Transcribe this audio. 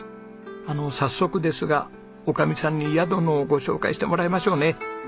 あの早速ですが女将さんに宿のご紹介してもらいましょうね。